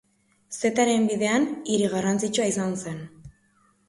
Zetaren Bidean hiri garrantzitsua izan zen.